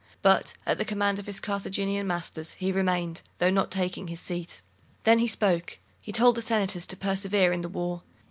But, at the command of his Carthaginian masters, he remained, though not taking his seat. Then he spoke. He told the senators to persevere in the war.